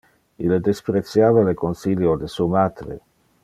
Ille dispreciava le consilio de su matre.